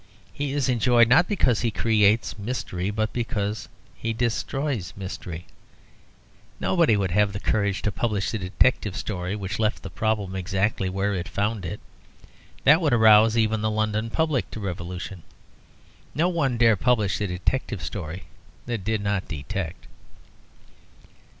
He is enjoyed not because he creates mystery, but because he destroys mystery. Nobody would have the courage to publish a detective story which left the problem exactly where it found it. That would rouse even the London public to revolution. No one dare publish a detective story that did not detect.